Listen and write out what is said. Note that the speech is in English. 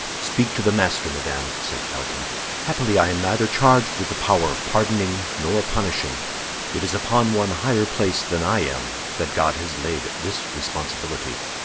"Speak to the master, madame," said Felton; "happily I am neither charged with the power of pardoning nor punishing. It is upon one higher placed than I am that God has laid this responsibility."